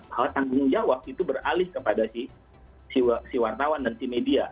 bahwa tanggung jawab itu beralih kepada si wartawan dan si media